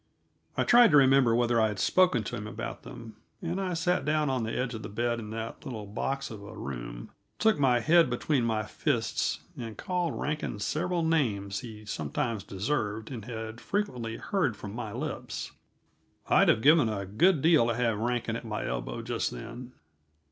I tried to remember whether I had spoken to him about them, and I sat down on the edge of the bed in that little box of a room, took my head between my fists, and called Rankin several names he sometimes deserved and had frequently heard from my lips. I'd have given a good deal to have Rankin at my elbow just then.